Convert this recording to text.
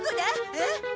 えっ？